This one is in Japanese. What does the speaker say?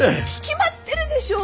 決まってるでしょ。